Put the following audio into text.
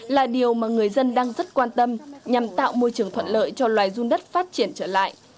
là điều mà người dân đang rất quan tâm nhằm tạo môi trường thuận lợi cho loài run đất phát triển trở lại